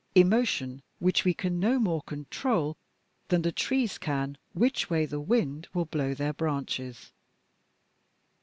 Emotion which we can no more control than the trees can which way the wind will blow their branches!